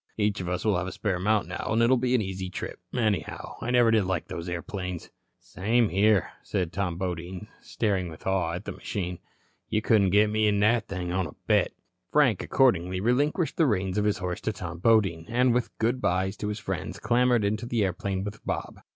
Each of us will have a spare mount now, and it'll be an easy trip. Anyhow, I never did like those airplanes." "Same here," said Tom Bodine, staring with awe at the machine. "You couldn't get me in that thing on a bet." Frank, accordingly, relinquished the reins of his horse to Tom Bodine, and with "good byes" to his friends clambered into the airplane with Bob.